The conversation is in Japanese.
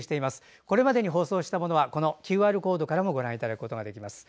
これまでに放送したものはＱＲコードからもご覧いただくことができます。